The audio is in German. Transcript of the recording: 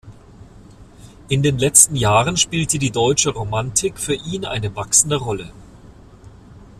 In den letzten Jahren spielte die deutsche Romantik für ihn eine wachsende Rolle.